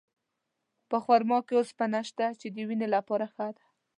په خرما کې اوسپنه شته، چې د وینې لپاره ښه ده.